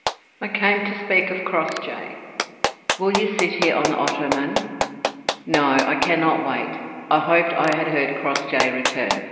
"I came to speak of Crossjay." "Will you sit here on the ottoman?" "No, I cannot wait. I hoped I had heard Crossjay return.